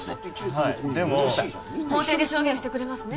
はいでも法廷で証言してくれますね？